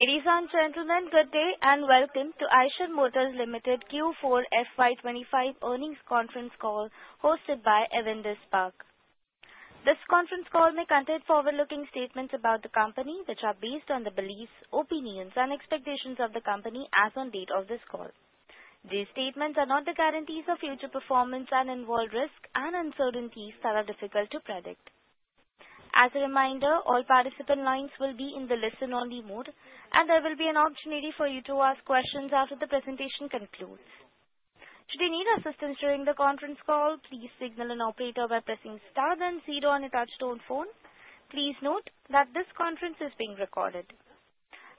Ladies and gentlemen, good day and welcome to Eicher Motors Limited Q4 FY 2025 earnings conference call hosted by Avendus Spark. This conference call may contain forward-looking statements about the company, which are based on the beliefs, opinions, and expectations of the company as of the date of this call. These statements are not the guarantees of future performance and involve risks and uncertainties that are difficult to predict. As a reminder, all participant lines will be in the listen-only mode, and there will be an opportunity for you to ask questions after the presentation concludes. Should you need assistance during the conference call, please signal an operator by pressing star then zero on your touch-tone phone. Please note that this conference is being recorded.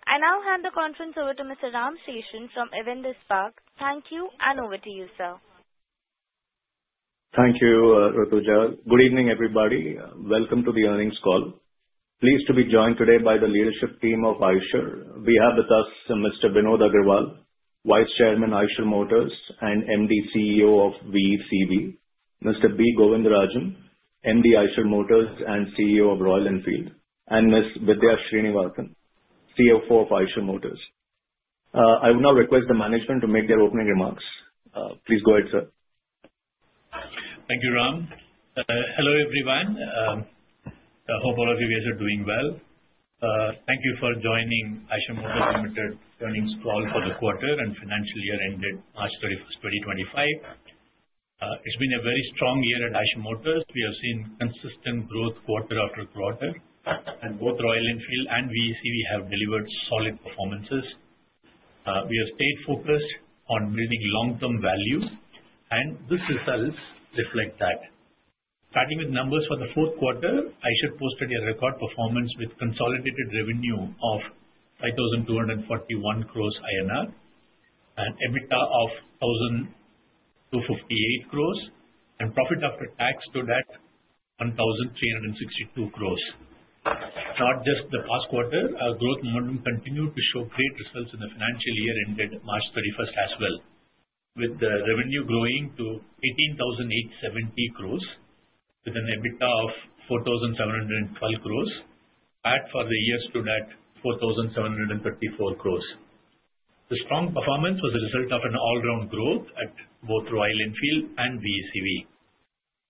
I now hand the conference over to Mr. Ram Seshan from Avendus Spark. Thank you, and over to you, sir. Thank you, Ruthuja. Good evening, everybody. Welcome to the earnings call. Pleased to be joined today by the leadership team of Eicher. We have with us Mr. Vinod Aggarwal, Vice Chairman Eicher Motors, and MD/CEO of VECV. Mr. B. Govindarajan, MD Eicher Motors and CEO of Royal Enfield, and Ms. Vidhya Srinivasan, CFO of Eicher Motors. I will now request the management to make their opening remarks. Please go ahead, sir. Thank you, Ram. Hello, everyone. I hope all of you guys are doing well. Thank you for joining Eicher Motors Limited earnings call for the quarter, and financial year ended March 31, 2025. It's been a very strong year at Eicher Motors. We have seen consistent growth quarter after quarter, and both Royal Enfield and VECV have delivered solid performances. We have stayed focused on building long-term value, and this results reflect that. Starting with numbers for the fourth quarter, Eicher posted a record performance with consolidated revenue of 5,241 crore INR and EBITDA of 1,258 crore, and profit after tax stood at 1,362 crore. Not just the past quarter, our growth momentum continued to show great results in the financial year ended March 31st as well, with the revenue growing to 18,870 crore, with an EBITDA of 4,712 crore. That for the year stood at 4,734 crore. The strong performance was a result of an all-round growth at both Royal Enfield and VECV.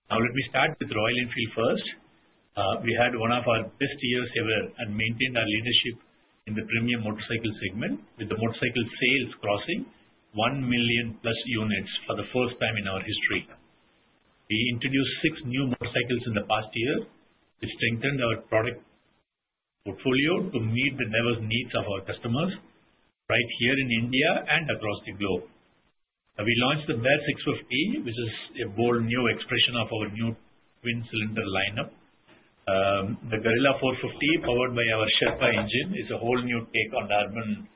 Now, let me start with Royal Enfield first. We had one of our best years ever and maintained our leadership in the premium motorcycle segment, with the motorcycle sales crossing 1 million plus units for the first time in our history. We introduced six new motorcycles in the past year. We strengthened our product portfolio to meet the diverse needs of our customers right here in India and across the globe. We launched the Bear 650, which is a bold new expression of our new twin-cylinder lineup. The Guerrilla 450, powered by our Sherpa engine, is a whole new take on urban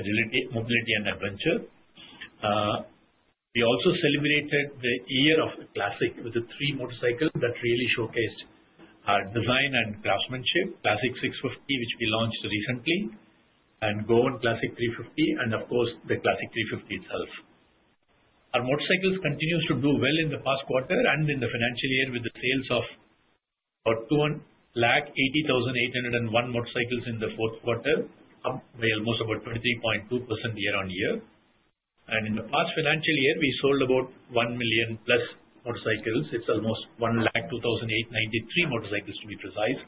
agility, mobility, and adventure. We also celebrated the year of the Classic with the three motorcycles that really showcased our design and craftsmanship: Classic 650, which we launched recently, and Goan Classic 350, and of course, the Classic 350 itself. Our motorcycles continued to do well in the past quarter and in the financial year with the sales of about 280,801 motorcycles in the fourth quarter, up by almost about 23.2% year-on-year. In the past financial year, we sold about 1 million plus motorcycles. It's almost 1,002,893 motorcycles, to be precise,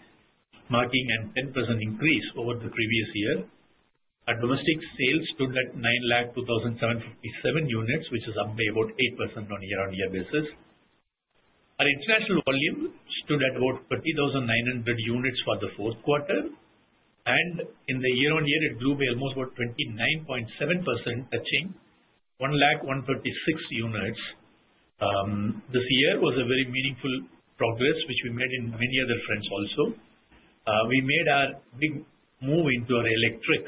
marking a 10% increase over the previous year. Our domestic sales stood at 902,757 units, which is up by about 8% on a year-on-year basis. Our international volume stood at about 30,900 units for the fourth quarter, and in the year-on-year, it grew by almost about 29.7%, touching 101,036 units. This year was a very meaningful progress, which we made in many other fronts also. We made our big move into our electric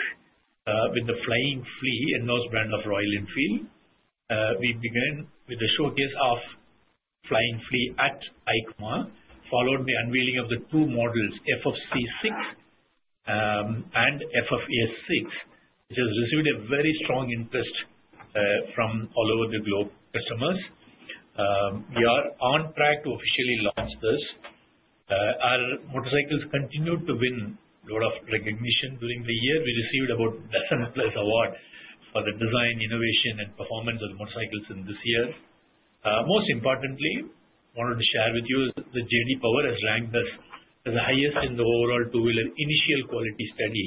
with the Flying Flea in-house of Royal Enfield. We began with a showcase of Flying Flea at EICMA, followed by the unveiling of the two models, FF C6 and FF.S6, which has received a very strong interest from all over the globe customers. We are on track to officially launch this. Our motorcycles continue to win a lot of recognition during the year. We received about a dozen plus awards for the design, innovation, and performance of the motorcycles in this year. Most importantly, I wanted to share with you that J.D. Power has ranked us as the highest in the overall two-wheeler initial quality study,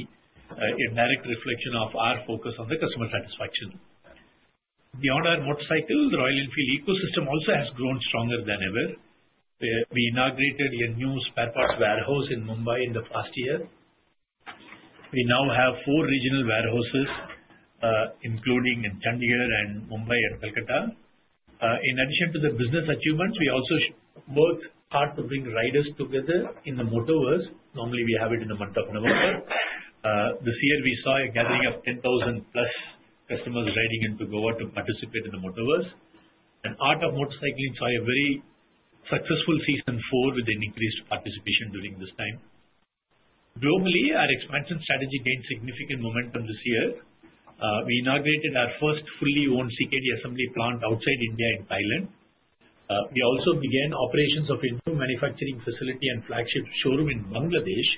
a direct reflection of our focus on the customer satisfaction. Beyond our motorcycle, the Royal Enfield ecosystem also has grown stronger than ever. We inaugurated a new spare parts warehouse in Mumbai in the past year. We now have four regional warehouses, including in Chandigarh, Mumbai, and Kolkata. In addition to the business achievements, we also work hard to bring riders together in the motors. Normally, we have it in the month of November. This year, we saw a gathering of 10,000 plus customers riding into Goa to participate in the Motoverse. Art of Motorcycling saw a very successful Season 4 with an increased participation during this time. Globally, our expansion strategy gained significant momentum this year. We inaugurated our first fully-owned CKD assembly plant outside India in Thailand. We also began operations of a new manufacturing facility and flagship showroom in Bangladesh,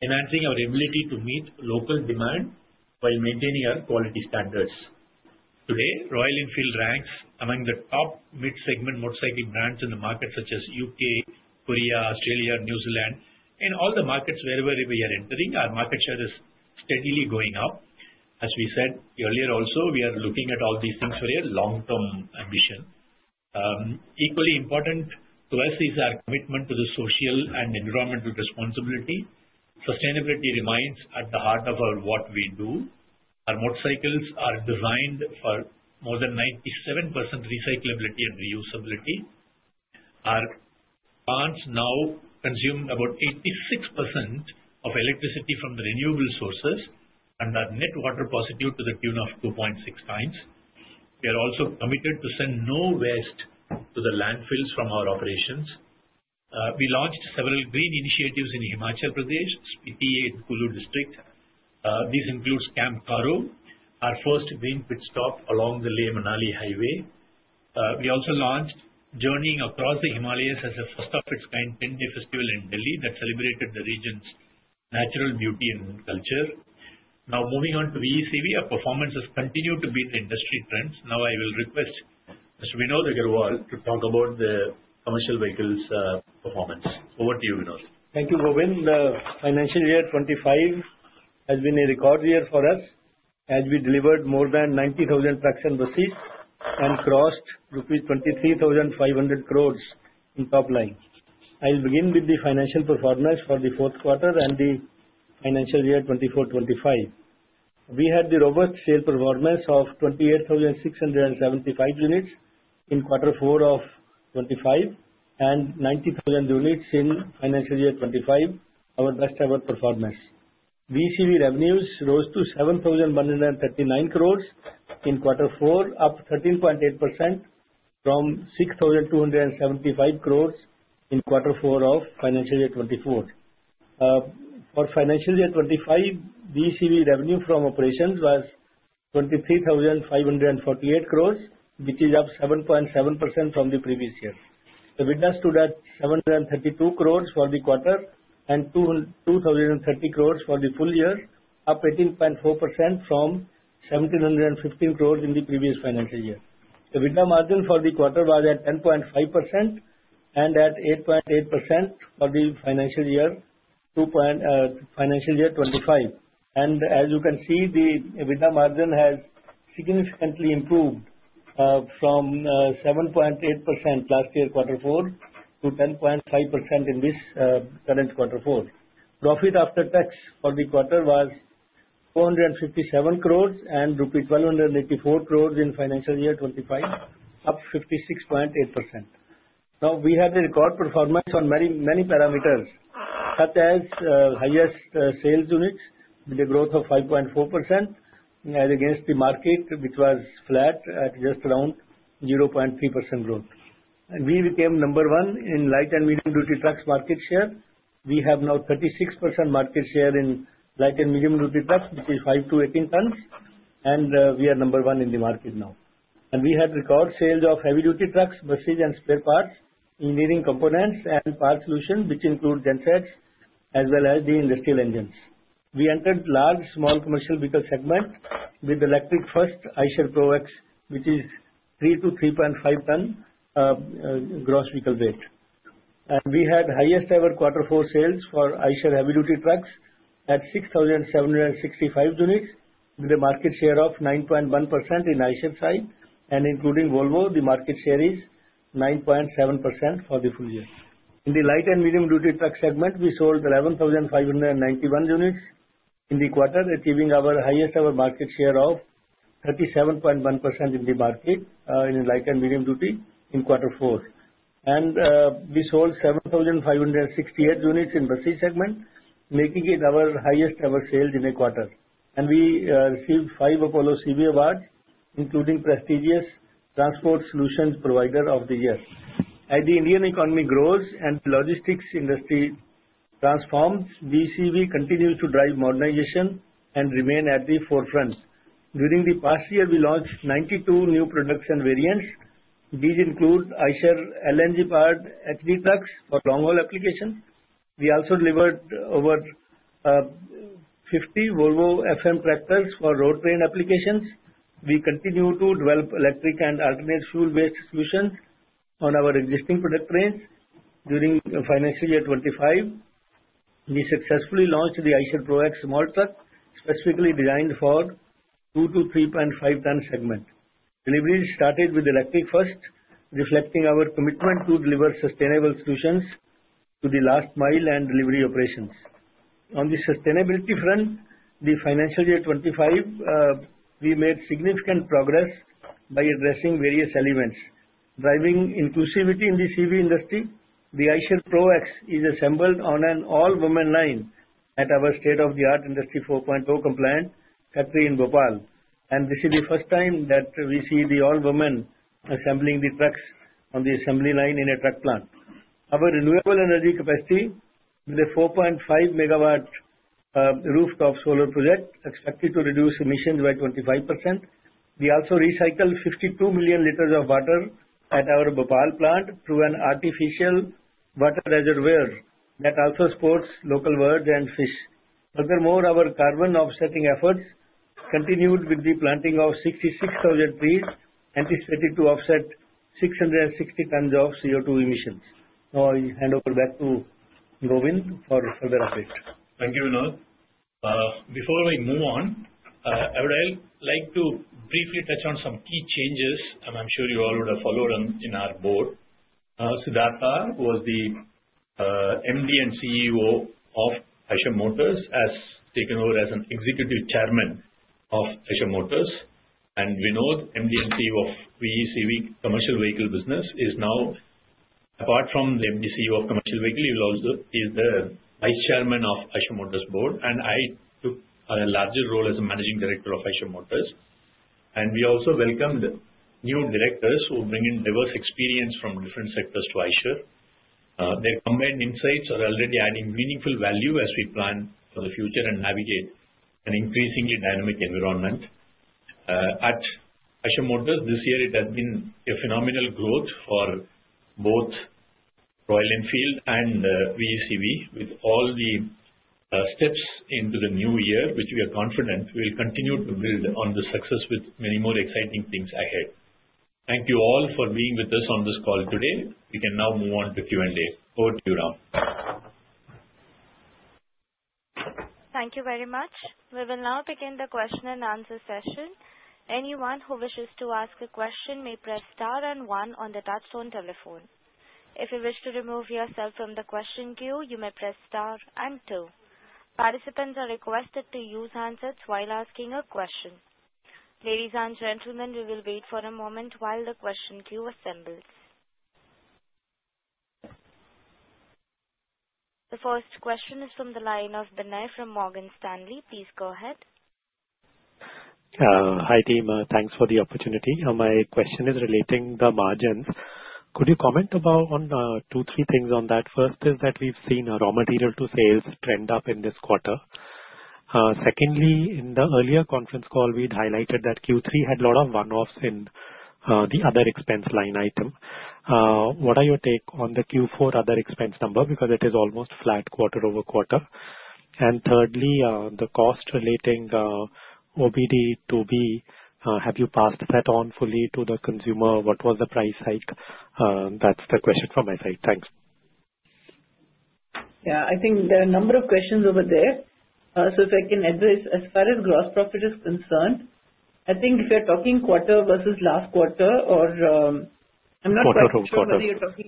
enhancing our ability to meet local demand while maintaining our quality standards. Today, Royal Enfield ranks among the top mid-segment motorcycle brands in the market, such as the U.K., Korea, Australia, New Zealand, and all the markets wherever we are entering. Our market share is steadily going up. As we said earlier, also, we are looking at all these things for a long-term ambition. Equally important to us is our commitment to the social and environmental responsibility. Sustainability remains at the heart of what we do. Our motorcycles are designed for more than 97% recyclability and reusability. Our plants now consume about 86% of electricity from the renewable sources, and our net water positive to the tune of 2.6x. We are also committed to send no waste to the landfills from our operations. We launched several green initiatives in Himachal Pradesh, Spiti in Kullu district. This includes Camp Kharu, our first Green Pit Stop along the Leh-Manali Highway. We also launched Journeying Across the Himalayas as the first of its kind 10-day festival in Delhi that celebrated the region's natural beauty and culture. Now, moving on to VECV, our performance has continued to beat industry trends. Now, I will request Mr. Vinod Aggarwal to talk about the commercial vehicles' performance. Over to you, Vinod. Thank you, Govind. The financial year 2025 has been a record year for us, as we delivered more than 90,000 trucks and buses and crossed rupees 23,500 crore in topline. I'll begin with the financial performance for the fourth quarter and the financial year 2024-2025. We had the robust sales performance of 28,675 units in quarter four of 2025 and 90,000 units in financial year 2025, our best-ever performance. VECV revenues rose to INR 7,139 crore in quarter four, up 13.8% from INR 6,275 crore in quarter four of financial year 2024. For financial year 2025, VECV revenue from operations was 23,548 crore, which is up 7.7% from the previous year. The EBITDA stood at 732 crore for the quarter and 2,030 crore for the full year, up 18.4% from 1,715 crore in the previous financial year. The EBITDA margin for the quarter was at 10.5% and at 8.8% for the financial year 2025. As you can see, the EBITDA margin has significantly improved from 7.8% last year, quarter four, to 10.5% in this current quarter four. Profit after tax for the quarter was 457 crore and rupees 1,284 crore in financial year 2025, up 56.8%. We had a record performance on many parameters, such as highest sales units with a growth of 5.4% against the market, which was flat at just around 0.3% growth. We became number one in Light and Medium-duty trucks market share. We have now 36% market share in Light and Medium-duty trucks, which is 5-18 tons, and we are number one in the market now. We had record sales of Heavy Duty trucks, buses, and spare parts, engineering components, and part solutions, which include gensets as well as the industrial engines. We entered the large-small commercial vehicle segment with electric-first Eicher Pro X, which is 3-3.5 ton gross vehicle weight. We had highest-ever quarter four sales for Eicher Heavy-duty trucks at 6,765 units with a market share of 9.1% on the Eicher side. Including Volvo, the market share is 9.7% for the full year. In the Light and Medium-duty truck segment, we sold 11,591 units in the quarter, achieving our highest-ever market share of 37.1% in the market in Light and Medium-duty in quarter four. We sold 7,568 units in the bus segment, making it our highest-ever sales in a quarter. We received five Apollo CV awards, including prestigious Transport Solutions Provider of the year. As the Indian economy grows and the logistics industry transforms, VECV continues to drive modernization and remain at the forefront. During the past year, we launched 92 new products and variants. These include Eicher LMD powered HD trucks for long-haul applications. We also delivered over 50 Volvo FM tractors for road-train applications. We continue to develop electric and alternate fuel waste solutions on our existing product range. During financial year 2025, we successfully launched the Eicher Pro X Small Truck, specifically designed for the 2-3.5 ton segment. Delivery started with electric first, reflecting our commitment to deliver sustainable solutions to the last mile and delivery operations. On the sustainability front, in Financial Year 2025, we made significant progress by addressing various elements. Driving inclusivity in the CV industry, the Eicher Pro X is assembled on an all-woman line at our state-of-the-art Industry 4.0 compliant factory in Bhopal. This is the first time that we see the all-woman assembling the trucks on the assembly line in a truck plant. Our renewable energy capacity with a 4.5 MW rooftop solar project is expected to reduce emissions by 25%. We also recycled 52 million liters of water at our Bhopal plant through an artificial water reservoir that also supports local birds and fish. Furthermore, our carbon offsetting efforts continued with the planting of 66,000 trees, anticipated to offset 660 tons of CO2 emissions. Now, I hand over back to Govind for further update. Thank you, Vinod. Before we move on, I would like to briefly touch on some key changes, and I'm sure you all would have followed in our board. Siddhartha was the MD and CEO of Eicher Motors as taken over as an Executive Chairman of Eicher Motors. Vinod Aggarwal, MD and CEO of VECV Commercial Vehicle Business, is now, apart from the MD and CEO of Commercial Vehicle, he is the Vice Chairman of Eicher Motors Board. I took a larger role as a Managing Director of Eicher Motors. We also welcomed new Directors who bring in diverse experience from different sectors to Eicher. Their combined insights are already adding meaningful value as we plan for the future and navigate an increasingly dynamic environment. At Eicher Motors, this year, it has been a phenomenal growth for both Royal Enfield and VECV. With all the steps into the New Year, which we are confident we will continue to build on the success with many more exciting things ahead. Thank you all for being with us on this call today. We can now move on to Q&A. Over to you, Ram. Thank you very much. We will now begin the question and answer session. Anyone who wishes to ask a question may press star and one on the touchstone telephone. If you wish to remove yourself from the question queue, you may press star and two. Participants are requested to use handsets while asking a question. Ladies and gentlemen, we will wait for a moment while the question queue assembles. The first question is from the line of Binay from Morgan Stanley. Please go ahead. Hi, team. Thanks for the opportunity. My question is relating to the margins. Could you comment on two, three things on that? First is that we've seen raw material to sales trend up in this quarter. Secondly, in the earlier conference call, we'd highlighted that Q3 had a lot of one-offs in the other expense line item. What are your takes on the Q4 other expense number because it is almost flat quarter-over-quarter? Thirdly, the cost relating to OBD2B, have you passed that on fully to the consumer? What was the price hike? That's the question from my side. Thanks. Yeah, I think there are a number of questions over there. If I can address, as far as gross profit is concerned, I think if you're talking quarter versus last quarter or I'm not quite sure whether you're talking.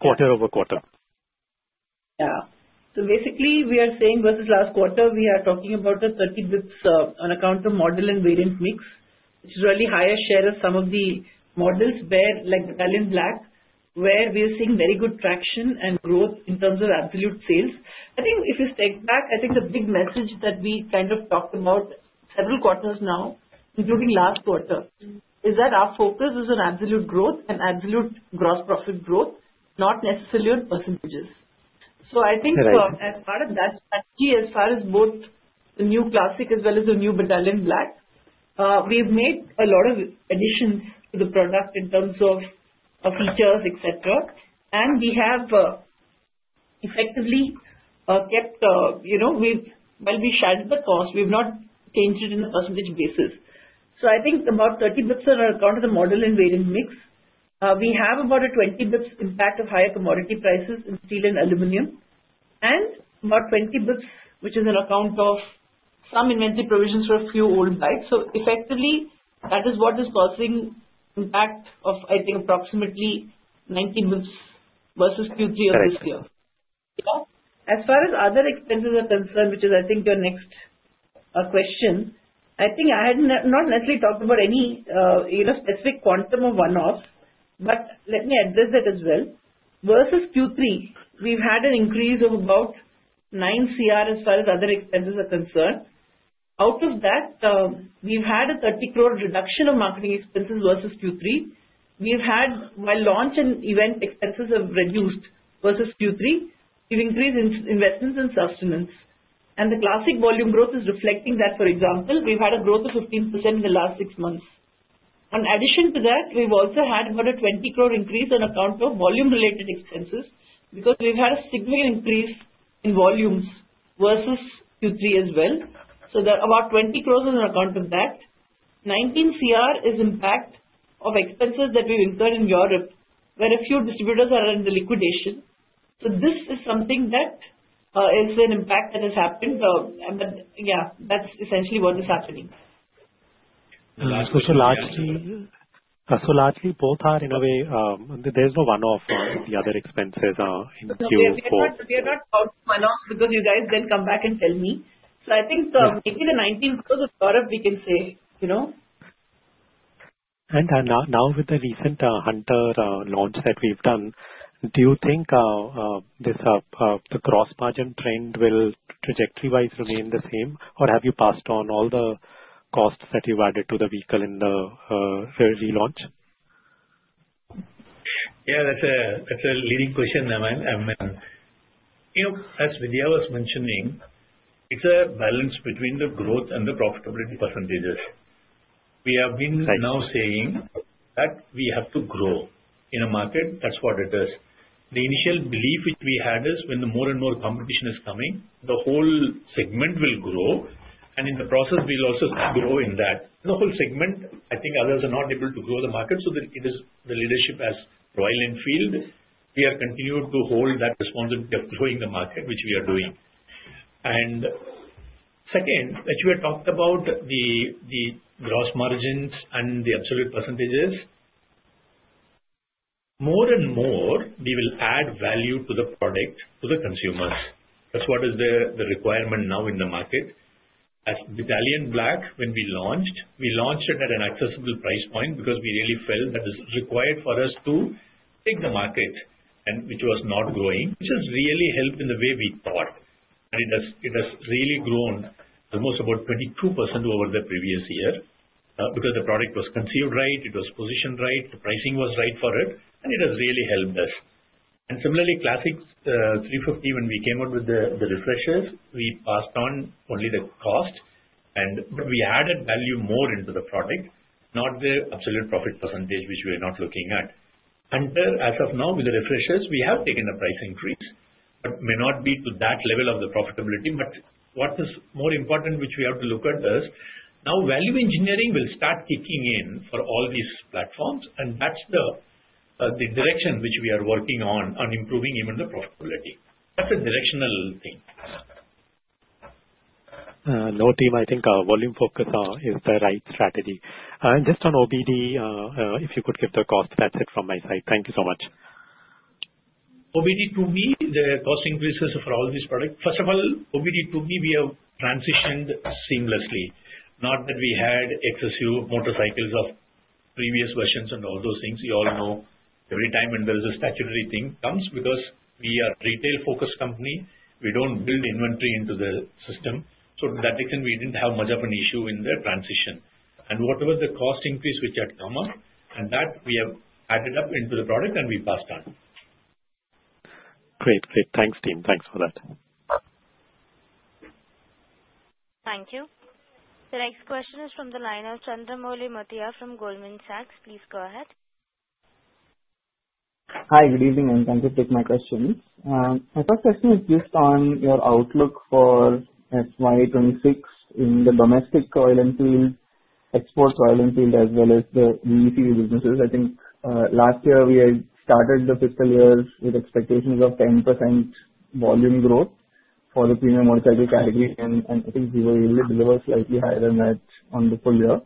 Quarter-over-quarter. Yeah. So basically, we are saying versus last quarter, we are talking about the 30 basis points on account of model and variant mix, which is really a higher share of some of the models like the Battalion Black, where we are seeing very good traction and growth in terms of absolute sales. I think if you step back, I think the big message that we kind of talked about several quarters now, including last quarter, is that our focus is on absolute growth and absolute gross profit growth, not necessarily on percentages. I think as part of that strategy, as far as both the new Classic as well as the new Battalion Black, we've made a lot of additions to the product in terms of features, etc. We have effectively kept, while we shared the cost, we've not changed it in a percentage basis. I think about 30 basis points on account of the model and variant mix. We have about a 20 basis points impact of higher commodity prices in Steel and Aluminum, and about 20 basis points, which is on account of some inventory provisions for a few old bikes. Effectively, that is what is causing impact of, I think, approximately 19 basis points versus Q3 of this year. As far as other expenses are concerned, which is, I think, your next question, I had not necessarily talked about any specific quantum of one-offs, but let me address that as well. Versus Q3, we've had an increase of about 9 crore as far as other expenses are concerned. Out of that, we've had a 30 crore reduction of marketing expenses versus Q3. While launch and event expenses have reduced versus Q3, we've increased investments and sustenance. The classic volume growth is reflecting that, for example, we've had a growth of 15% in the last six months. In addition to that, we've also had about 20 crore increase on account of volume-related expenses because we've had a significant increase in volumes versus Q3 as well. About 20 crore on account of that. 19 crore is impact of expenses that we've incurred in Europe, where a few distributors are in liquidation. This is something that is an impact that has happened. Yeah, that's essentially what is happening. The last question. So largely, both are in a way, there's no one-off in the other expenses in Q4. We are not out of one-offs because you guys then come back and tell me. I think maybe the 19 because of Europe, we can say. With the recent Hunter launch that we've done, do you think the gross margin trend will trajectory-wise remain the same, or have you passed on all the costs that you've added to the vehicle in the relaunch? Yeah, that's a leading question, Amman. As Vidhya was mentioning, it's a balance between the growth and the profitability percentages. We have been now saying that we have to grow in a market. That's what it is. The initial belief which we had is when more and more competition is coming, the whole segment will grow, and in the process, we'll also grow in that. The whole segment, I think others are not able to grow the market, so the leadership as Royal Enfield, we are continuing to hold that responsibility of growing the market, which we are doing. Second, as we had talked about the gross margins and the absolute percentages, more and more, we will add value to the product to the consumers. That's what is the requirement now in the market. As Batalion Black, when we launched, we launched it at an accessible price point because we really felt that it's required for us to take the market, which was not growing, which has really helped in the way we thought. It has really grown almost about 22% over the previous year because the product was conceived right, it was positioned right, the pricing was right for it, and it has really helped us. Similarly, Classic 350, when we came out with the refreshers, we passed on only the cost, but we added value more into the product, not the absolute profit percentage, which we are not looking at. Hunter, as of now, with the refreshers, we have taken a price increase, but may not be to that level of the profitability. What is more important, which we have to look at is now value engineering will start kicking in for all these platforms, and that's the direction which we are working on, on improving even the profitability. That's a directional thing. No, team, I think volume focus is the right strategy. And just on OBD, if you could give the cost, that's it from my side. Thank you so much. OBD2B, the cost increases for all these products. First of all, OBD2B, we have transitioned seamlessly. Not that we had excessive motorcycles of previous versions and all those things. You all know every time when there is a statutory thing comes because we are a retail-focused company. We do not build inventory into the system. That makes sense. We did not have much of an issue in the transition. Whatever the cost increase which had come up, we have added up into the product and we passed on. Great. Great. Thanks, team. Thanks for that. Thank you. The next question is from the line of Chandramouli Muthiah from Goldman Sachs. Please go ahead. Hi, good evening, and thank you for taking my questions. My first question is just on your outlook for FY 2026 in the domestic Royal Enfield, exports Royal Enfield, as well as the VECV businesses. I think last year we had started the fiscal year with expectations of 10% volume growth for the premium motorcycle category, and I think we were able to deliver slightly higher than that on the full year.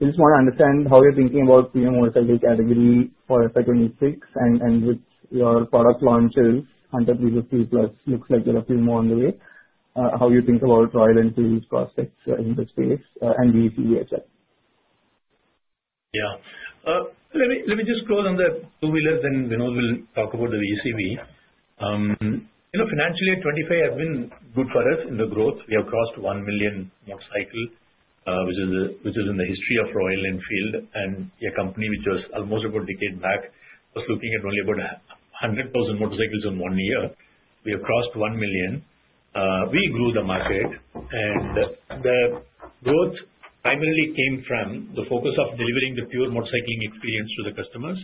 I just want to understand how you're thinking about premium motorcycle category for FY 2026 and with your product launches, Hunter 350 plus, looks like you have a few more on the way. How do you think about Royal Enfield prospects in the space and VECV, etc.? Yeah. Let me just close on the two-wheelers, then Vinod will talk about the VECV. Financially, 2025 has been good for us in the growth. We have crossed 1 million motorcycles, which is in the history of Royal Enfield. And a company which was almost about a decade back was looking at only about 100,000 motorcycles in one year. We have crossed 1 million. We grew the market, and the growth primarily came from the focus of delivering the pure motorcycling experience to the customers.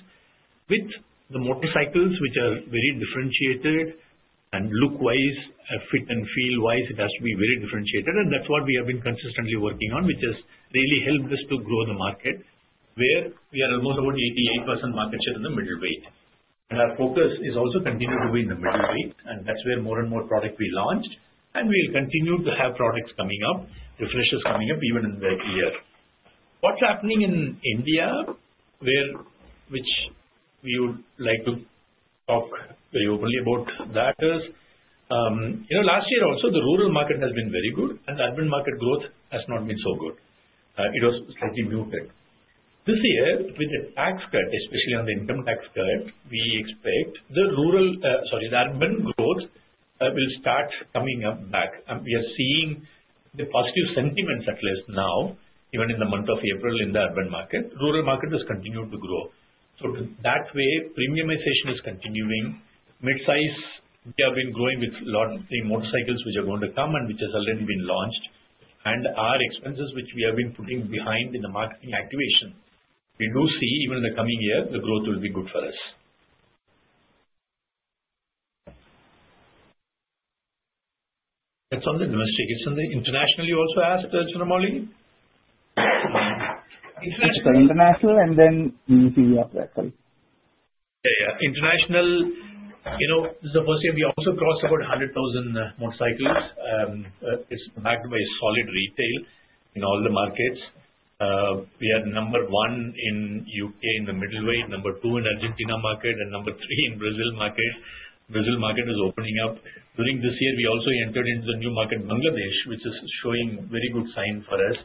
With the motorcycles which are very differentiated and look wise and fit and feel wise, it has to be very differentiated. That is what we have been consistently working on, which has really helped us to grow the market, where we are almost about 88% market share in the middleweight. Our focus is also continued to be in the middleweight, and that's where more and more product we launched, and we'll continue to have products coming up, refreshers coming up even in the year. What's happening in India, which we would like to talk very openly about, that is last year also, the rural market has been very good, and the urban market growth has not been so good. It was slightly muted. This year, with the tax cut, especially on the income tax cut, we expect the rural, sorry, the urban growth will start coming back. We are seeing the positive sentiments at least now, even in the month of April in the urban market. Rural market has continued to grow. That way, premiumization is continuing. Mid-size, we have been growing with a lot of the motorcycles which are going to come and which has already been launched. Our expenses which we have been putting behind in the marketing activation, we do see even in the coming year, the growth will be good for us. That is on the domestic. On the international, you also asked, Chandramouli? It's the international and then VECV as well. Yeah, yeah. International, this is the first year we also crossed about 100,000 motorcycles. It's backed by solid retail in all the markets. We are number one in the U.K. in the middleweight, number two in the Argentina market, and number three in the Brazil market. Brazil market is opening up. During this year, we also entered into the new market, Bangladesh, which is showing very good signs for us.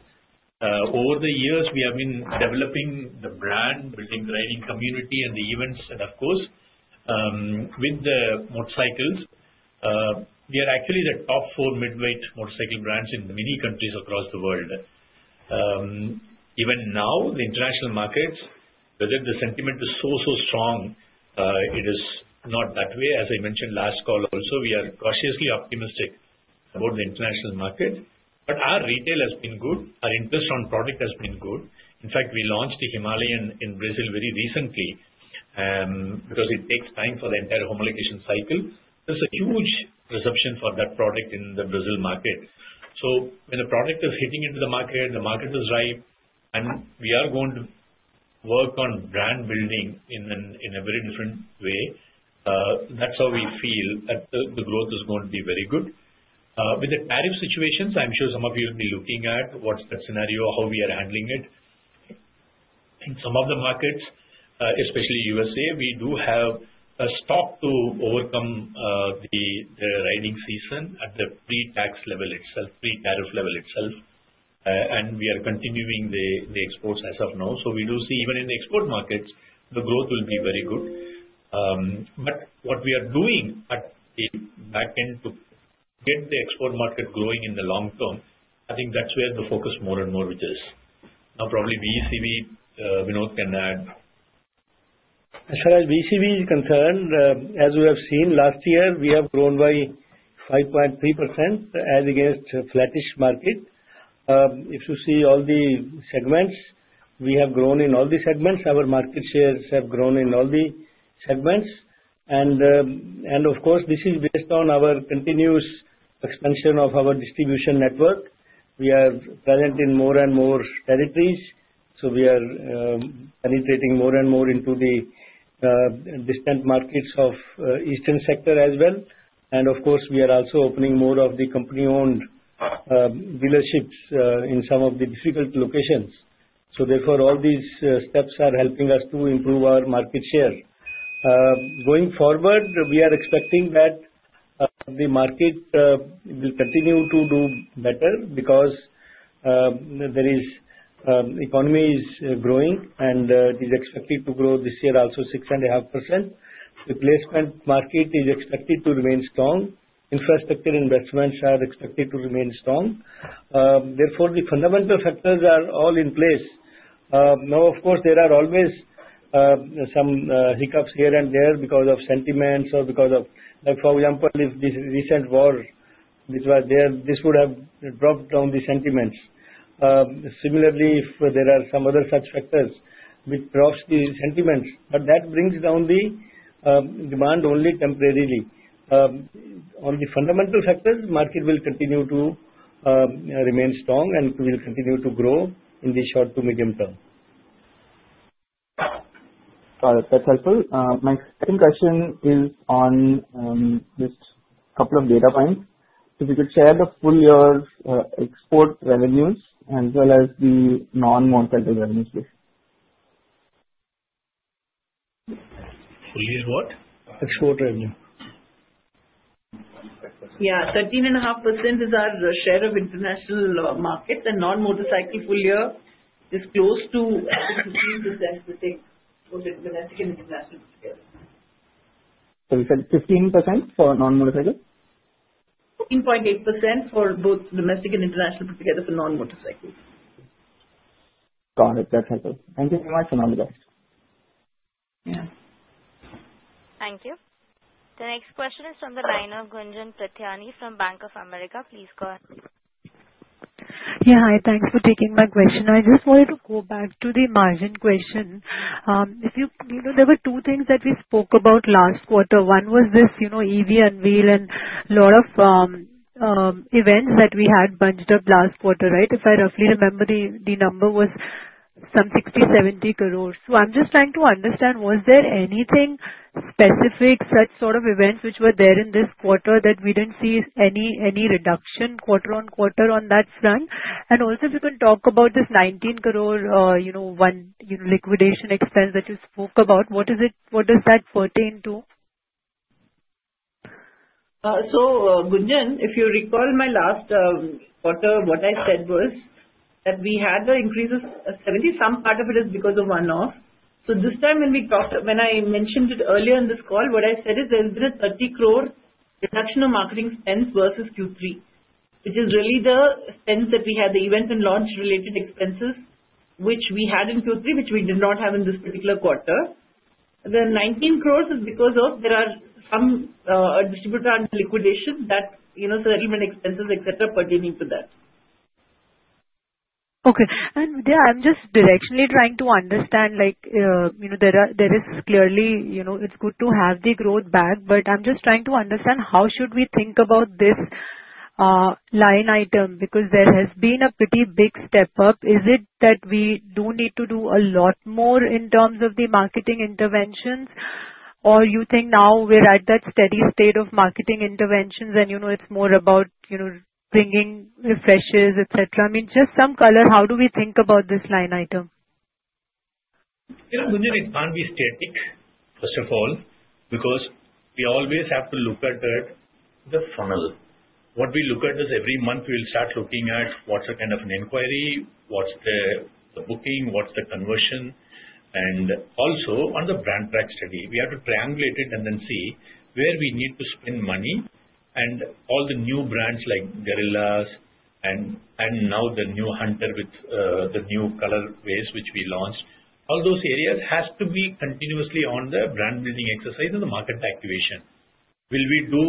Over the years, we have been developing the brand, building the riding community and the events. Of course, with the motorcycles, we are actually the top four mid-weight motorcycle brands in many countries across the world. Even now, the international markets, whether the sentiment is so, so strong, it is not that way. As I mentioned last call also, we are cautiously optimistic about the international market. Our retail has been good. Our interest on product has been good. In fact, we launched the Himalayan in Brazil very recently because it takes time for the entire homologation cycle. There's a huge reception for that product in the Brazil market. When the product is hitting into the market, the market is ripe, and we are going to work on brand building in a very different way. That's how we feel that the growth is going to be very good. With the tariff situations, I'm sure some of you will be looking at what's that scenario, how we are handling it. In some of the markets, especially U.S.A., we do have a stock to overcome the riding season at the pre-tax level itself, pre-tariff level itself. We are continuing the exports as of now. We do see even in the export markets, the growth will be very good. What we are doing backend to get the export market growing in the long term, I think that's where the focus more and more which is. Now, probably VECV, Vinod can add. As far as VECV is concerned, as we have seen last year, we have grown by 5.3% as against a flattish market. If you see all the segments, we have grown in all the segments. Our market shares have grown in all the segments. Of course, this is based on our continuous expansion of our distribution network. We are present in more and more territories. We are penetrating more and more into the distant markets of Eastern sector as well. Of course, we are also opening more of the company-owned dealerships in some of the difficult locations. Therefore, all these steps are helping us to improve our market share. Going forward, we are expecting that the market will continue to do better because the economy is growing, and it is expected to grow this year also 6.5%. Replacement market is expected to remain strong. Infrastructure investments are expected to remain strong. Therefore, the fundamental factors are all in place. Now, of course, there are always some hiccups here and there because of sentiments or because of, for example, if this recent war, which was there, this would have dropped down the sentiments. Similarly, if there are some other such factors which drops the sentiments, but that brings down the demand only temporarily. On the fundamental factors, the market will continue to remain strong and will continue to grow in the short to medium term. Got it. That's helpful. My second question is on just a couple of data points. If you could share the full year export revenues as well as the non-motorcycle revenues, please. Full year what? Export revenue. Yeah. 13.5% is our share of international market, and non-motorcycle full year is close to 15% for domestic and international put together. You said 15% for non-motorcycle? 14.8% for both domestic and international put together for non-motorcycle. Got it. That's helpful. Thank you very much. Yeah. Thank you. The next question is from the line of Gunjan Prithyani from Bank of America. Please go ahead. Yeah, hi. Thanks for taking my question. I just wanted to go back to the margin question. There were two things that we spoke about last quarter. One was this EV unveil and a lot of events that we had bunched up last quarter, right? If I roughly remember, the number was some 60-70 crore. I'm just trying to understand, was there anything specific, such sort of events which were there in this quarter that we did not see any reduction quarter on quarter on that front? Also, if you can talk about this 19 crore liquidation expense that you spoke about, what does that pertain to? Gunjan, if you recall my last quarter, what I said was that we had the increase of 70. Some part of it is because of one-off. This time, when I mentioned it earlier in this call, what I said is there has been a 30 crore reduction of marketing spend versus Q3, which is really the spend that we had, the event and launch related expenses, which we had in Q3, which we did not have in this particular quarter. The 19 crore is because of there are some distributor and liquidation settlement expenses, etc., pertaining to that. Okay. Yeah, I'm just directionally trying to understand. There is clearly, it's good to have the growth back, but I'm just trying to understand how should we think about this line item because there has been a pretty big step up. Is it that we do need to do a lot more in terms of the marketing interventions, or you think now we're at that steady state of marketing interventions and it's more about bringing refreshers, etc.? I mean, just some color, how do we think about this line item? Yeah, Gunjan, it can't be static, first of all, because we always have to look at the funnel. What we look at is every month, we'll start looking at what's the kind of an inquiry, what's the booking, what's the conversion. Also, on the brand track study, we have to triangulate it and then see where we need to spend money. All the new brands like Guerrilla and now the new Hunter with the new colorways which we launched, all those areas have to be continuously on the brand building exercise and the market activation. Will we do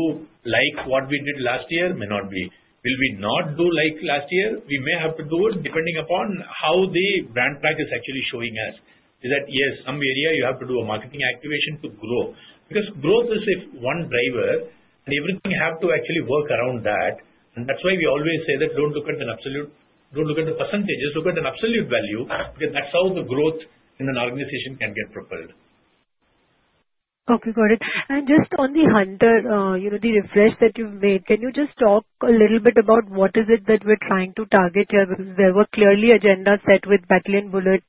like what we did last year? May not be. Will we not do like last year? We may have to do it depending upon how the brand track is actually showing us. Is that yes, some area you have to do a marketing activation to grow? Because growth is one driver, and everything has to actually work around that. That is why we always say that do not look at the absolute, do not look at the percentages, look at the absolute value because that is how the growth in an organization can get propelled. Okay, got it. Just on the Hunter, the refresh that you've made, can you just talk a little bit about what is it that we're trying to target here? Because there were clearly agendas set with Battalion Bullet,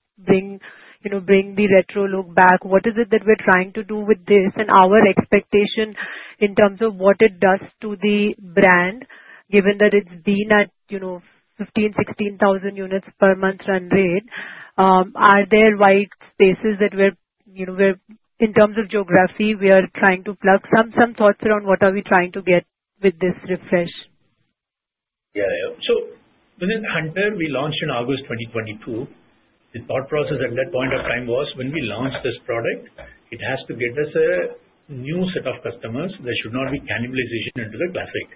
bring the retro look back. What is it that we're trying to do with this and our expectation in terms of what it does to the brand, given that it's been at 15,000-16,000 units per month run rate? Are there white spaces that we're, in terms of geography, we are trying to plug? Some thoughts around what are we trying to get with this refresh? Yeah. Within Hunter, we launched in August 2022. The thought process at that point of time was when we launched this product, it has to get us a new set of customers. There should not be cannibalization into the Classic.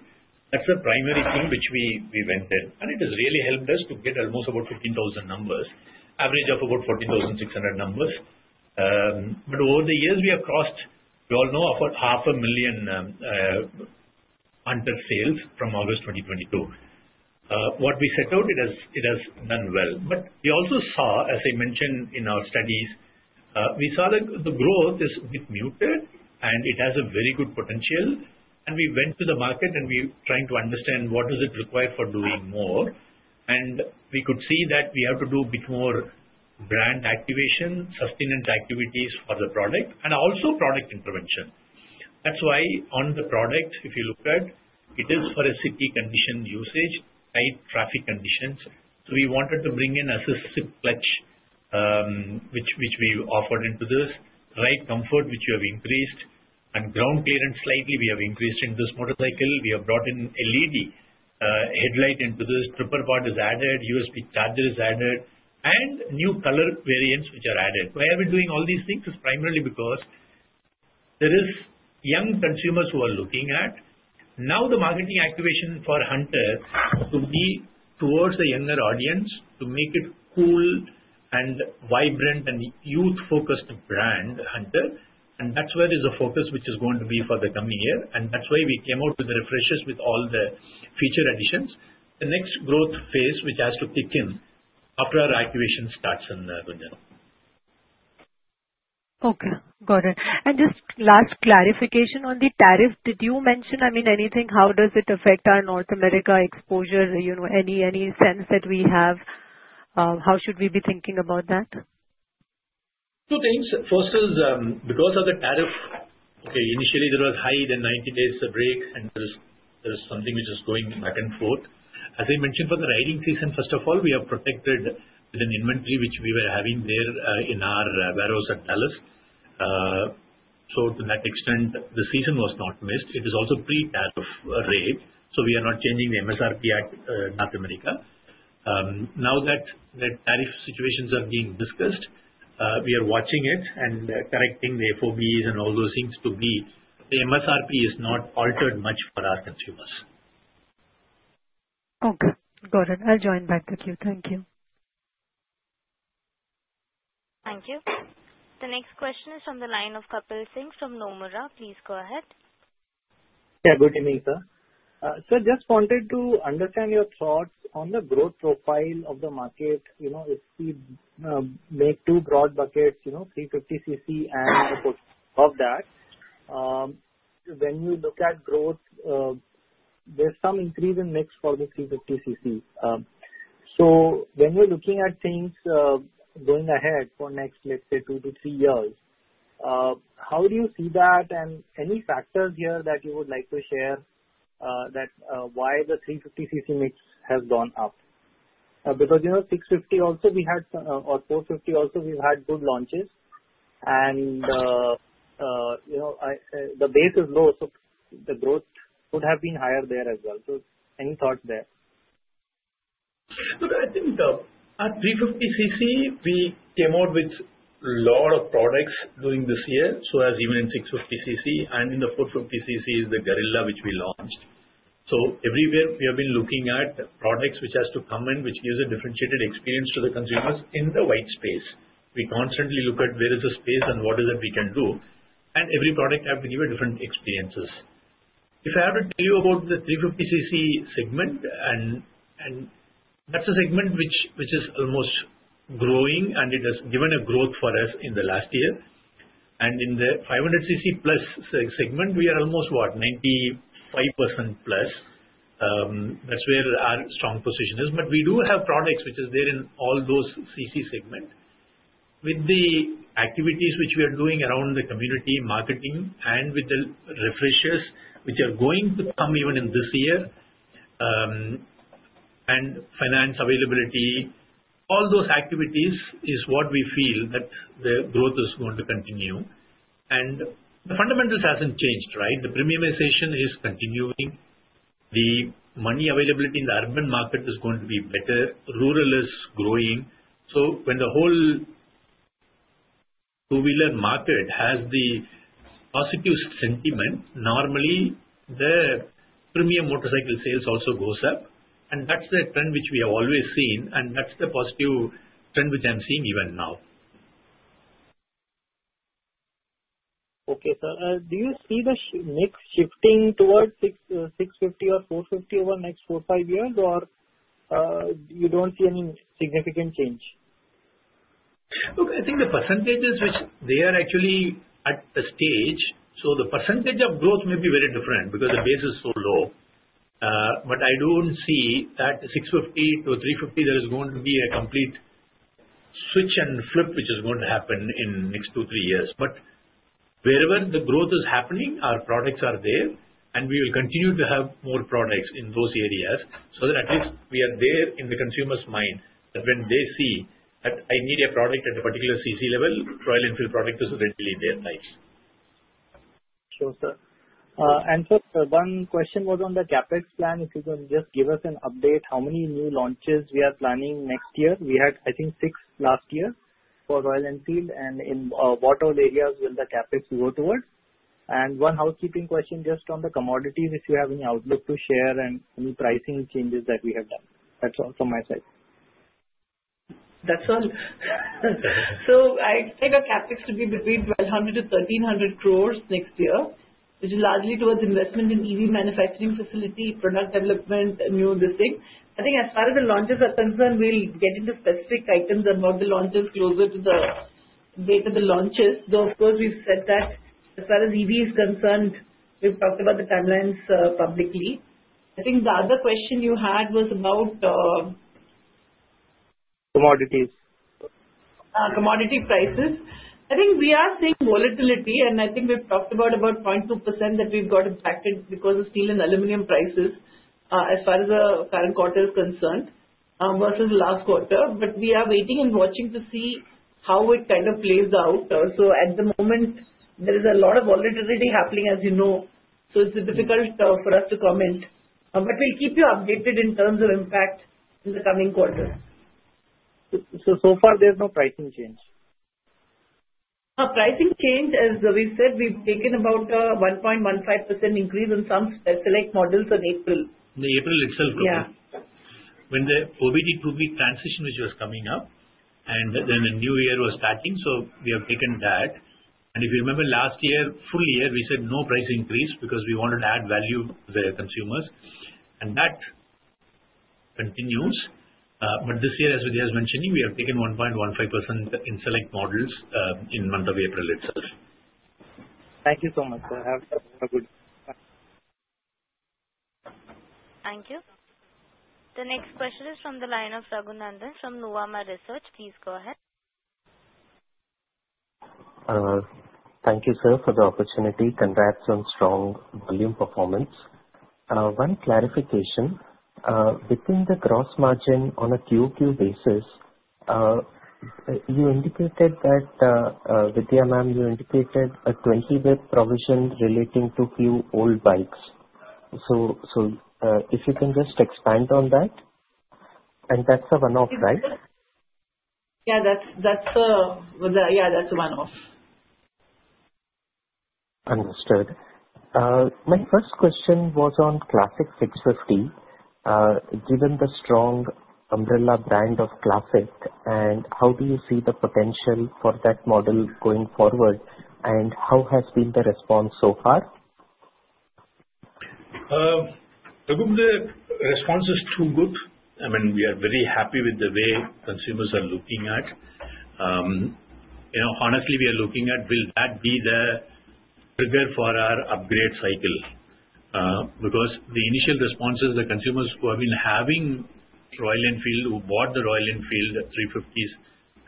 That is the primary thing which we went in. It has really helped us to get almost about 15,000 numbers, average of about 14,600 numbers. Over the years, we have crossed, we all know, about 500,000 Hunter sales from August 2022. What we set out, it has done well. We also saw, as I mentioned in our studies, the growth is muted, and it has very good potential. We went to the market, and we are trying to understand what does it require for doing more. We could see that we have to do a bit more brand activation, sustenance activities for the product, and also product intervention. That is why on the product, if you look at it, it is for a city condition usage, tight traffic conditions. We wanted to bring in a slip clutch, which we offered into this, ride comfort, which we have increased, and ground clearance slightly we have increased in this motorcycle. We have brought in LED headlight into this. Tripper pod is added. USB charger is added. New color variants are added. Why are we doing all these things? It is primarily because there are young consumers who are looking at it. Now the marketing activation for Hunter to be towards a younger audience to make it cool and vibrant and youth-focused brand, Hunter. That is where there is a focus which is going to be for the coming year. That's why we came out with the refreshes with all the feature additions. The next growth phase which has to kick in after our activation starts in Gunjan. Okay. Got it. Just last clarification on the tariff. Did you mention, I mean, anything? How does it affect our North America exposure? Any sense that we have? How should we be thinking about that? Two things. First is because of the tariff, okay, initially there was high, then 90 days break, and there is something which is going back and forth. As I mentioned for the riding season, first of all, we are protected with an inventory which we were having there in our warehouse at Dallas. To that extent, the season was not missed. It is also pre-tariff rate. We are not changing the MSRP at North America. Now that the tariff situations are being discussed, we are watching it and correcting the FOBs and all those things so the MSRP is not altered much for our consumers. Okay. Got it. I'll join back with you. Thank you. Thank you. The next question is from the line of Kapil Singh from Nomura. Please go ahead. Yeah, good evening, sir. I just wanted to understand your thoughts on the growth profile of the market. If we make two broad buckets, 350 cc and above that, when you look at growth, there is some increase in mix for the 350 cc. When you are looking at things going ahead for the next, let's say, two to three years, how do you see that? Any factors here that you would like to share as to why the 350 cc mix has gone up? Because 650 also, we had, or 450 also, we have had good launches. The base is low, so the growth would have been higher there as well. Any thoughts there? Look, I think at 350 cc, we came out with a lot of products during this year, as even in 650 cc and in the 450 cc, the Gorilla which we launched. Everywhere we have been looking at products which have to come in, which give a differentiated experience to the consumers in the white space. We constantly look at where is the space and what is it we can do. Every product has been given different experiences. If I have to tell you about the 350 cc segment, and that's a segment which is almost growing, and it has given a growth for us in the last year. In the 500 cc plus segment, we are almost, what, 95% plus. That's where our strong position is. We do have products which are there in all those CC segment with the activities which we are doing around the community marketing and with the refreshers which are going to come even in this year. Finance availability, all those activities is what we feel that the growth is going to continue. The fundamentals haven't changed, right? The premiumization is continuing. The money availability in the urban market is going to be better. Rural is growing. When the whole two-wheeler market has the positive sentiment, normally the premium motorcycle sales also goes up. That's the trend which we have always seen, and that's the positive trend which I'm seeing even now. Okay, sir. Do you see the mix shifting towards 650 or 450 over the next four, five years, or you don't see any significant change? Look, I think the percentages which they are actually at a stage. So the percentage of growth may be very different because the base is so low. I don't see that 650 to 350, there is going to be a complete switch and flip which is going to happen in the next two, three years. Wherever the growth is happening, our products are there, and we will continue to have more products in those areas. That at least we are there in the consumer's mind that when they see that I need a product at a particular CC level, Royal Enfield product is readily their size. Sure, sir. And sir, one question was on the CapEx plan. If you can just give us an update, how many new launches we are planning next year? We had, I think, six last year for Royal Enfield. And in what all areas will the CapEx go towards? And one housekeeping question just on the commodities, if you have any outlook to share and any pricing changes that we have done. That's all from my side. That's all. I expect our CapEx to be between 1,200-1,300 crore next year, which is largely towards investment in EV manufacturing facility, product development, and new listing. I think as far as the launches are concerned, we'll get into specific items about the launches closer to the date of the launches. Though, of course, we've said that as far as EV is concerned, we've talked about the timelines publicly. I think the other question you had was about. Commodities. Commodity prices. I think we are seeing volatility, and I think we've talked about 0.2% that we've got it back because of steel and aluminum prices as far as the current quarter is concerned versus last quarter. We are waiting and watching to see how it kind of plays out. At the moment, there is a lot of volatility happening, as you know. It's difficult for us to comment. We'll keep you updated in terms of impact in the coming quarter. So far, there's no pricing change? Pricing change, as we've said, we've taken about a 1.15% increase in some specific models in April. The April itself, okay. When the OBD2B transition which was coming up, and then the New Year was starting, we have taken that. If you remember last year, full year, we said no price increase because we wanted to add value to the consumers. That continues. This year, as Vidhya is mentioning, we have taken 1.15% in select models in month of April itself. Thank you so much, sir. Have a good. Thank you. The next question is from the line of Raghunandhan from Nuvama Research. Please go ahead. Thank you, sir, for the opportunity. Congrats on strong volume performance. One clarification. Within the gross margin on a QoQ basis, you indicated that, Vidhya ma'am, you indicated a 20 basis point provision relating to few old bikes. If you can just expand on that. That's a one-off, right? Yeah, that's a one-off. Understood. My first question was on Classic 650. Given the strong umbrella brand of Classic, how do you see the potential for that model going forward, and how has been the response so far? I hope the response is too good. I mean, we are very happy with the way consumers are looking at. Honestly, we are looking at, will that be the trigger for our upgrade cycle? Because the initial responses, the consumers who have been having Royal Enfield, who bought the Royal Enfield 350s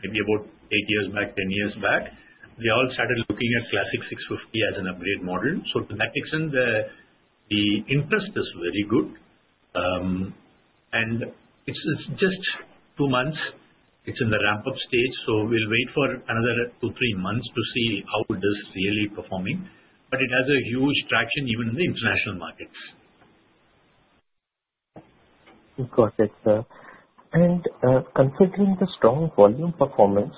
maybe about eight years back, ten years back, they all started looking at Classic 650 as an upgrade model. In that case, the interest is very good. It is just two months. It is in the ramp-up stage. We will wait for another two, three months to see how it is really performing. It has a huge traction even in the international markets. Got it, sir. Considering the strong volume performance,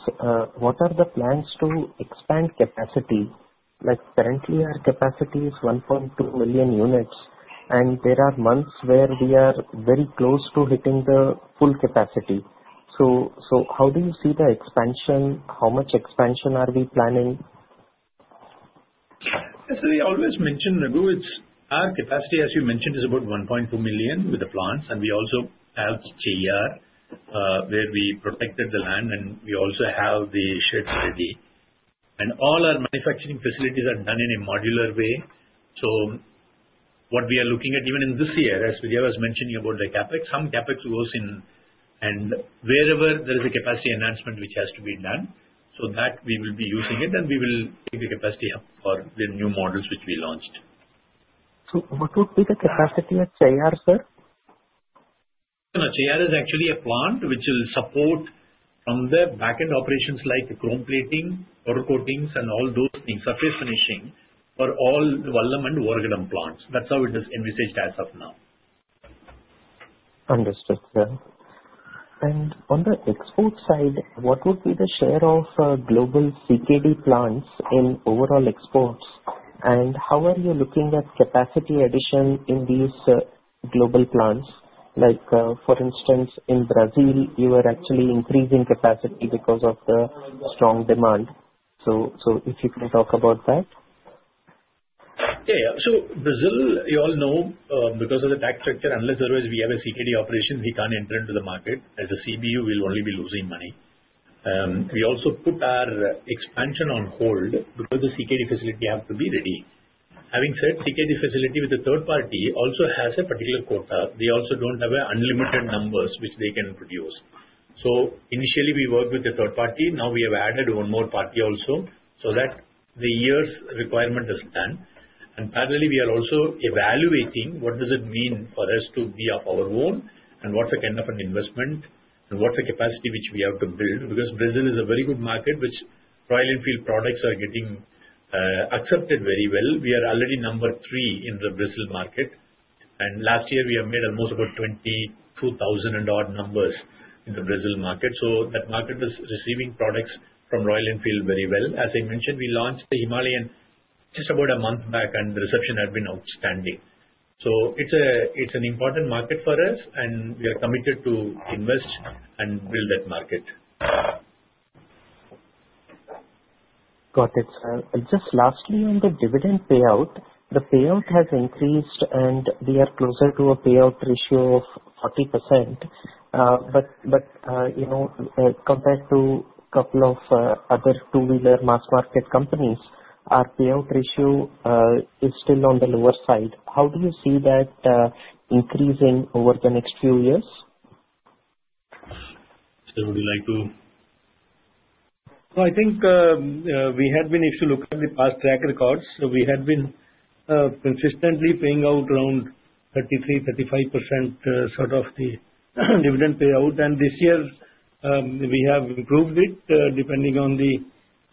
what are the plans to expand capacity? Currently, our capacity is 1.2 million units, and there are months where we are very close to hitting the full capacity. How do you see the expansion? How much expansion are we planning? As I always mentioned, Raghu, our capacity, as you mentioned, is about 1.2 million with the plants. We also have Cheyyar where we protected the land, and we also have the sheds ready. All our manufacturing facilities are done in a modular way. What we are looking at even in this year, as Vidhya was mentioning about the CapEx, some CapEx goes in. Wherever there is a capacity enhancement which has to be done, we will be using it, and we will take the capacity up for the new models which we launched. What would be the capacity at Cheyyar, sir? Cheyyar is actually a plant which will support from the back-end operations like chrome plating, powder coatings, and all those things, surface finishing for all Vallam and Oragadam plants. That's how it is envisaged as of now. Understood, sir. On the export side, what would be the share of global CKD plants in overall exports? How are you looking at capacity addition in these global plants? For instance, in Brazil, you are actually increasing capacity because of the strong demand. If you can talk about that. Yeah, yeah. Brazil, you all know, because of the tax structure, unless otherwise we have a CKD operation, we can't enter into the market. As a CBU, we'll only be losing money. We also put our expansion on hold because the CKD facility has to be ready. Having said, CKD facility with the third party also has a particular quota. They also don't have unlimited numbers which they can produce. Initially, we worked with the third party. Now we have added one more party also so that the year's requirement is done. Parallelly, we are also evaluating what does it mean for us to be of our own and what's the kind of an investment and what's the capacity which we have to build. Brazil is a very good market which Royal Enfield products are getting accepted very well. We are already number three in the Brazil market. Last year, we have made almost about 22,000 and odd numbers in the Brazil market. That market is receiving products from Royal Enfield very well. As I mentioned, we launched the Himalayan just about a month back, and the reception had been outstanding. It is an important market for us, and we are committed to invest and build that market. Got it, sir. And just lastly, on the dividend payout, the payout has increased, and we are closer to a payout ratio of 40%. But compared to a couple of other two-wheeler mass market companies, our payout ratio is still on the lower side. How do you see that increasing over the next few years? Sir, would you like to? I think we had been, if you look at the past track records, we had been consistently paying out around 33%-35% sort of the dividend payout. This year, we have improved it depending on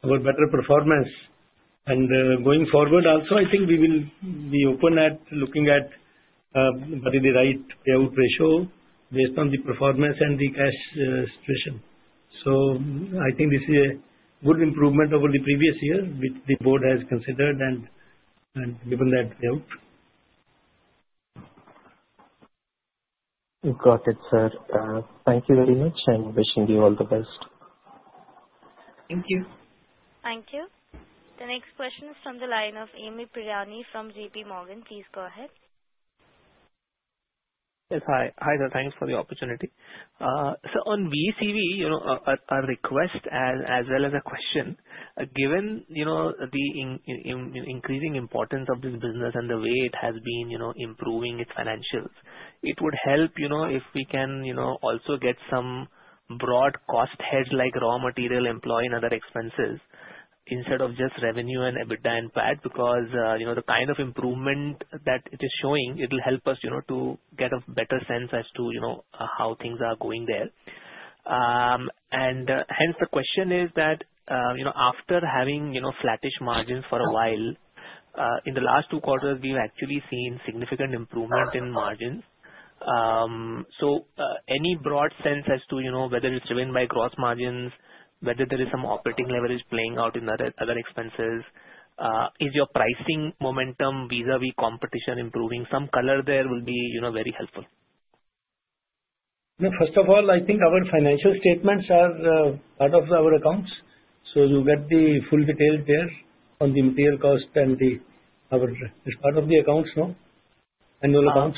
our better performance. Going forward, also, I think we will be open at looking at what is the right payout ratio based on the performance and the cash situation. I think this is a good improvement over the previous year which the board has considered and given that payout. Got it, sir. Thank you very much, and wishing you all the best. Thank you. Thank you. The next question is from the line of Amyn Pirani from JP Morgan. Please go ahead. Yes, hi. Hi, sir. Thanks for the opportunity. On VECV, a request as well as a question, given the increasing importance of this business and the way it has been improving its financials, it would help if we can also get some broad cost hedge like raw material, employ, and other expenses instead of just revenue and EBITDA and PAT because the kind of improvement that it is showing, it will help us to get a better sense as to how things are going there. The question is that after having flattish margins for a while, in the last two quarters, we've actually seen significant improvement in margins. Any broad sense as to whether it's driven by gross margins, whether there is some operating leverage playing out in other expenses, is your pricing momentum vis-à-vis competition improving? Some color there will be very helpful. No, first of all, I think our financial statements are part of our accounts. So you get the full details there on the material cost and the part of the accounts, no? Annual accounts?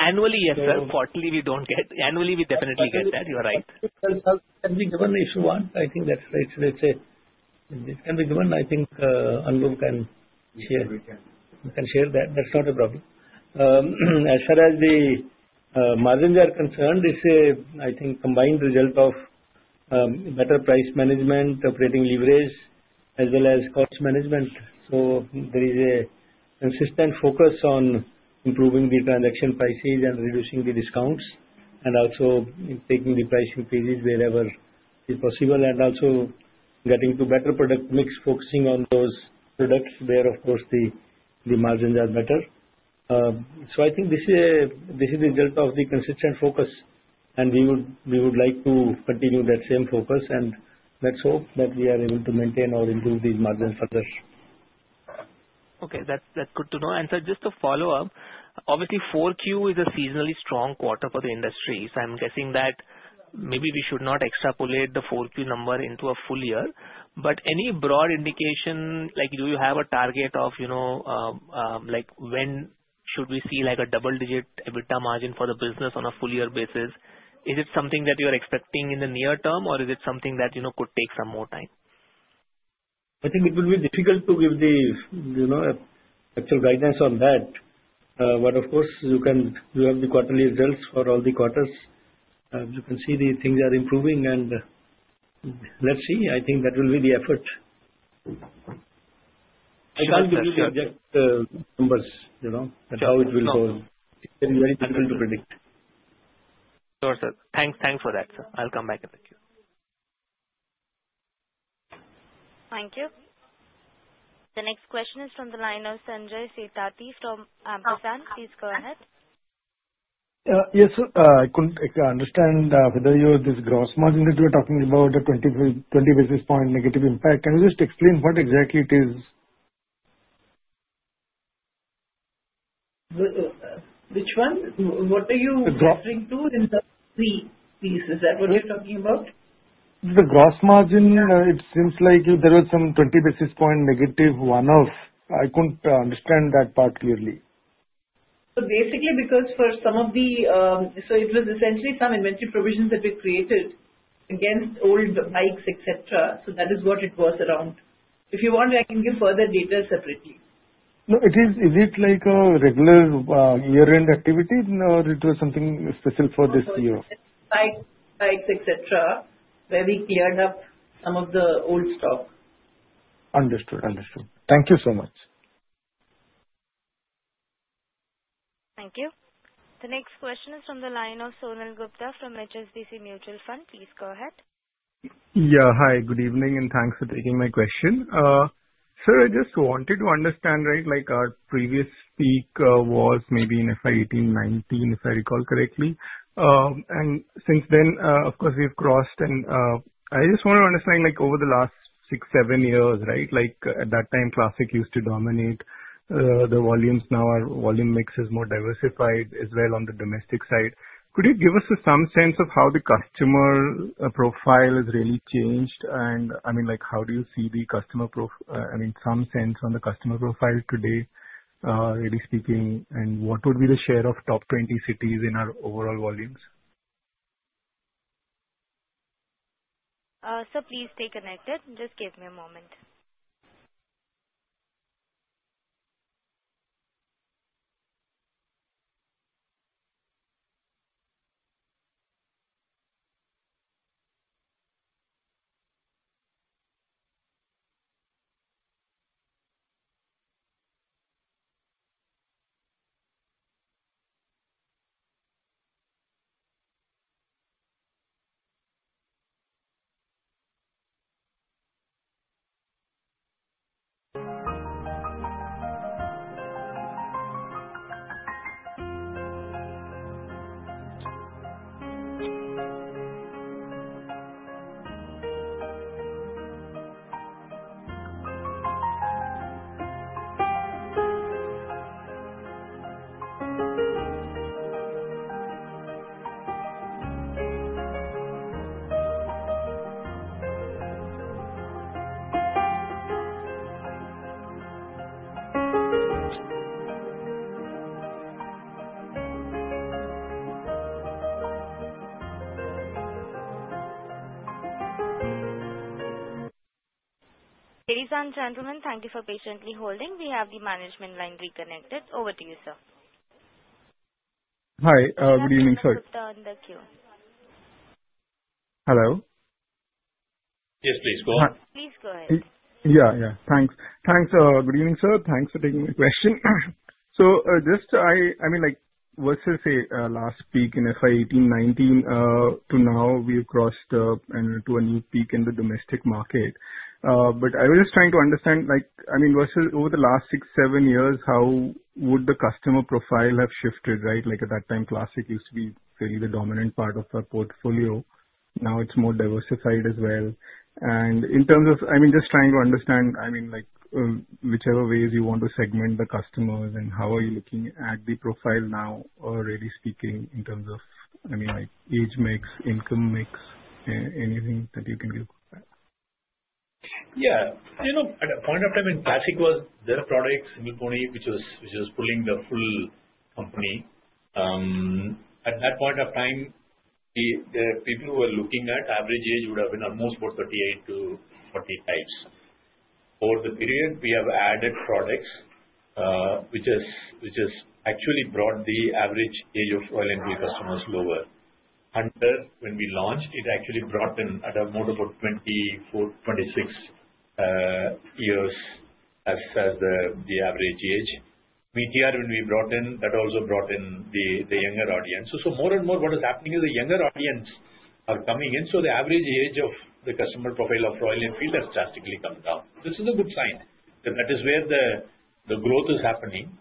Annually, yes, sir. Quarterly, we don't get. Annually, we definitely get that. You're right. It can be given if you want. I think that's right. It can be given. I think Anubhav can share that. That's not a problem. As far as the margins are concerned, it's a, I think, combined result of better price management, operating leverage, as well as cost management. There is a consistent focus on improving the transaction prices and reducing the discounts and also taking the pricing phases wherever it's possible and also getting to better product mix, focusing on those products where, of course, the margins are better. I think this is the result of the consistent focus, and we would like to continue that same focus. Let's hope that we are able to maintain or improve these margins further. Okay, that's good to know. Sir, just to follow up, obviously, 4Q is a seasonally strong quarter for the industry. I'm guessing that maybe we should not extrapolate the 4Q number into a full year. Any broad indication, do you have a target of when should we see a double-digit EBITDA margin for the business on a full-year basis? Is it something that you're expecting in the near term, or is it something that could take some more time? I think it will be difficult to give the actual guidance on that. Of course, you have the quarterly results for all the quarters. You can see the things are improving, and let's see. I think that will be the effort. I can't give you the exact numbers and how it will go. It's very difficult to predict. Sure, sir. Thanks for that, sir. I'll come back and thank you. Thank you. The next question is from the line of Sanjay Satapathy from Ampersand. Please go ahead. Yes, sir. I couldn't understand whether this gross margin that you are talking about, a 20 basis point negative impact, can you just explain what exactly it is? Which one? What are you referring to in the three pieces? Is that what you're talking about? The gross margin, it seems like there was some 20 basis point negative one-off. I couldn't understand that part clearly. Basically, because for some of the, so it was essentially some inventory provisions that we created against old bikes, etc. That is what it was around. If you want, I can give further details separately. No, is it like a regular year-end activity, or it was something special for this year? Bikes, etc., where we cleared up some of the old stock. Understood. Thank you so much. Thank you. The next question is from the line of Sonal Gupta from HSBC Mutual Fund. Please go ahead. Yeah, hi. Good evening, and thanks for taking my question. Sir, I just wanted to understand, right, our previous peak was maybe in FY 2018-2019, if I recall correctly. Since then, of course, we've crossed, and I just want to understand over the last six-seven years, right, at that time, Classic used to dominate the volumes. Now, our volume mix is more diversified as well on the domestic side. Could you give us some sense of how the customer profile has really changed? I mean, how do you see the customer profile, I mean, some sense on the customer profile today, really speaking, and what would be the share of top 20 cities in our overall volumes? So please stay connected. Just give me a moment. Ladies and gentlemen, thank you for patiently holding. We have the management line reconnected. Over to you, sir. Hi. Good evening, sir. You have turned the queue. Hello? Yes, please. Go ahead. Please go ahead. Yeah, yeah. Thanks. Thanks. Good evening, sir. Thanks for taking my question. Just, I mean, versus last peak in FY 2018-2019 to now, we've crossed to a new peak in the domestic market. I was just trying to understand, I mean, versus over the last six, seven years, how would the customer profile have shifted, right? At that time, Classic used to be really the dominant part of our portfolio. Now, it's more diversified as well. In terms of, I mean, just trying to understand, I mean, whichever ways you want to segment the customers and how are you looking at the profile now, already speaking in terms of, I mean, age mix, income mix, anything that you can give? Yeah. At that point of time, when Classic was their product, single pony, which was pulling the full company, at that point of time, the people who were looking at average age would have been almost about 38-40 types. Over the period, we have added products, which has actually brought the average age of Royal Enfield customers lower. Under when we launched, it actually brought in at a mode of about 24-26 years as the average age. Meteor, when we brought in, that also brought in the younger audience. More and more, what is happening is the younger audience are coming in. The average age of the customer profile of Royal Enfield has drastically come down. This is a good sign because that is where the growth is happening.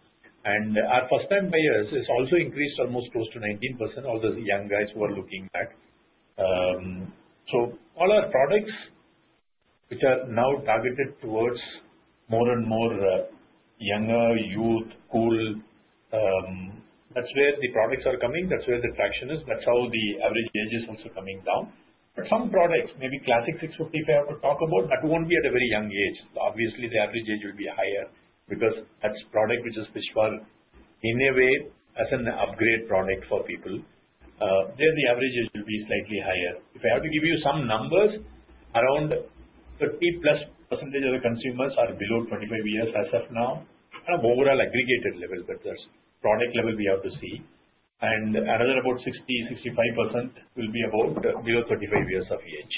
Our first-time buyers has also increased almost close to 19% of the young guys who are looking at. All our products, which are now targeted towards more and more younger, youth, cool, that's where the products are coming. That's where the traction is. That's how the average age is also coming down. Some products, maybe Classic 650, if I have to talk about, that won't be at a very young age. Obviously, the average age will be higher because that's a product which is fishbowl in a way as an upgrade product for people. There, the average age will be slightly higher. If I have to give you some numbers, around 30 plus percentage of the consumers are below 25 years as of now, kind of overall aggregated level. That's product level we have to see. Another about 60%-65% will be about below 35 years of age.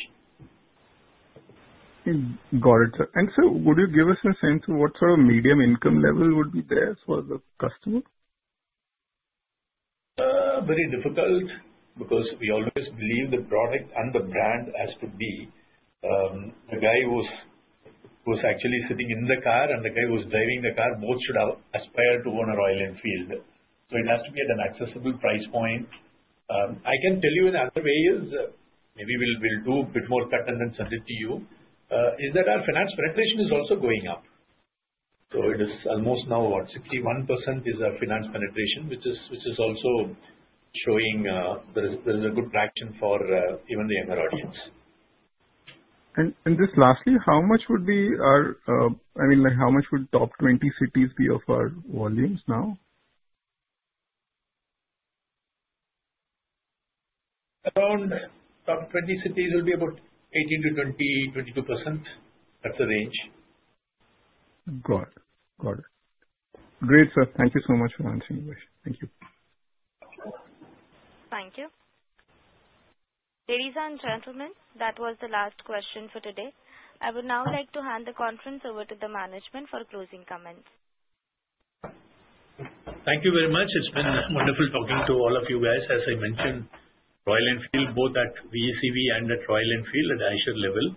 Got it, sir. Sir, would you give us a sense of what sort of medium income level would be there for the customer? Very difficult because we always believe the product and the brand has to be. The guy who's actually sitting in the car and the guy who's driving the car both should aspire to own a Royal Enfield. It has to be at an accessible price point. I can tell you in other ways, maybe we'll do a bit more cutting and send it to you, is that our finance penetration is also going up. It is almost now about 61% is our finance penetration, which is also showing there is a good traction for even the younger audience. Just lastly, how much would be our, I mean, how much would top 20 cities be of our volumes now? Around top 20 cities will be about 18%-20%, 22%. That's the range. Got it. Got it. Great, sir. Thank you so much for answering the question. Thank you. Thank you. Ladies and gentlemen, that was the last question for today. I would now like to hand the conference over to the management for closing comments. Thank you very much. It's been wonderful talking to all of you guys. As I mentioned, Royal Enfield, both at VECV and at Royal Enfield at the Eicher level,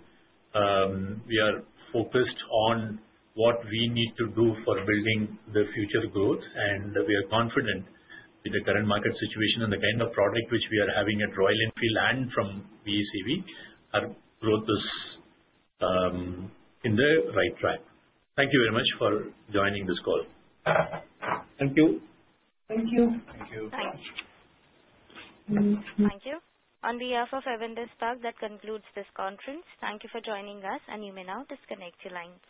we are focused on what we need to do for building the future growth. We are confident with the current market situation and the kind of product which we are having at Royal Enfield and from VECV, our growth is in the right track. Thank you very much for joining this call. Thank you. Thank you. Thank you. Thank you. Thank you. On behalf of Avendus Spark, that concludes this conference. Thank you for joining us, and you may now disconnect your lines.